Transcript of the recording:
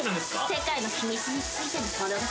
世界の秘密についての物語。